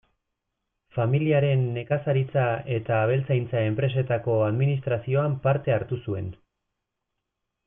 Familiaren nekazaritza- eta abeltzaintza-enpresetako administrazioan parte hartu zuen.